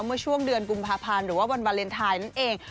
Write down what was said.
เมื่อช่วงเดือนกุมภาพันธ์หรือว่าวันวาเลนไทยนั่นเอง